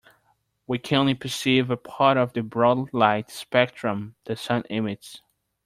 We can only perceive a part of the broad light spectrum the sun emits.